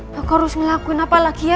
aku harus ngelakuin apa lagi ya